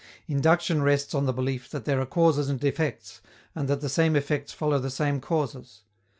Induction rests on the belief that there are causes and effects, and that the same effects follow the same causes.